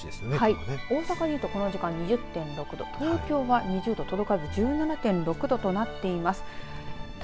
大阪でいうとこの時間２０．６度東京は２０度届かず１７．６度となっています。